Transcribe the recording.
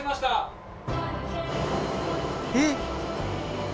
えっ？